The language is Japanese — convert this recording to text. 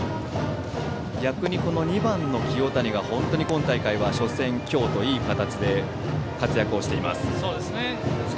逆に、この２番の清谷が今大会は本当に初戦、今日といい形で活躍をしています。